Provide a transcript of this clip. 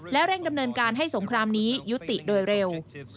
เร่งดำเนินการให้สงครามนี้ยุติโดยเร็ว